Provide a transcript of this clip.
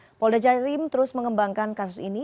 kapolda jatim terus mengembangkan kasus ini